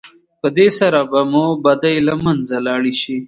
په دې سره به مو بدۍ له منځه لاړې شي.